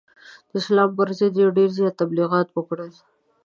د اسلام پر ضد یې ډېر زیات تبلغیات وکړل.